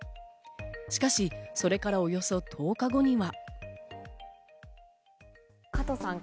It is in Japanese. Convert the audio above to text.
しかしそれからおよそ１０日後には。